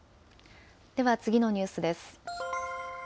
では次のニュースです。